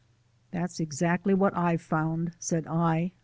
"That's exactly what I've found," said I.